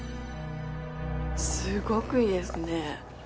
すごくいいですね。